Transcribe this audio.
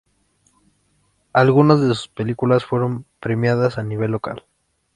Algunas de sus películas fueron premiadas a nivel local.